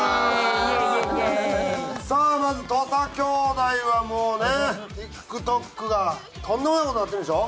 さあまず土佐兄弟はもうねＴｉｋＴｏｋがとんでもない事になってるんでしょ？